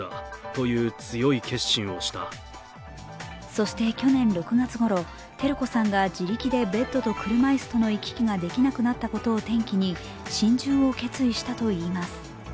そして去年６月ごろ照子さんが自力でベッドと車椅子の行き来ができなくなったことを転機に心中を決意したといいます。